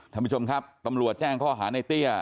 ท่านผู้ชมครับตำรวจแจ้งข้อหาในเตี้ย